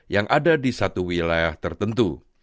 yang ada di satu wilayah tertentu